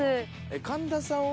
神田さんは。